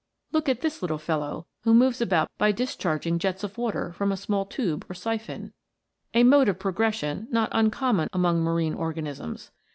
Look at this little fellow, who moves about by discharging jets of water from a small tube or siphon a mode of progression not uncommon among marine organisms.